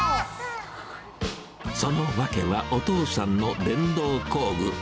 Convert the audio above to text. その訳は、お父さんの電動工具。